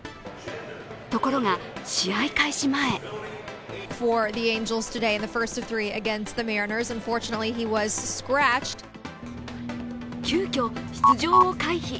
ところが試合開始前急きょ出場を回避。